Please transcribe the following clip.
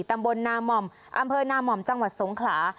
ตำบลนาม่อมอำเภอนาม่อมจังหวัดสงขลา